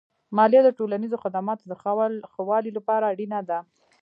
مالیه د ټولنیزو خدماتو د ښه والي لپاره اړینه ده.